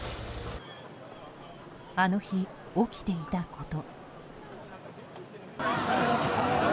あの日、起きていたこと。